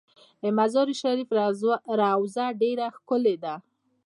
د مزار شریف روضه ډیره ښکلې ده